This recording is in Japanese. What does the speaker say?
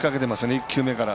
１球目から。